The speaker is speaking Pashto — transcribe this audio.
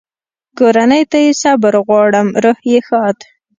کورنۍ ته یې صبر غواړم، روح یې ښاد.